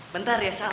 bentar ya sal